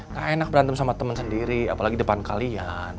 gak enak berantem sama teman sendiri apalagi depan kalian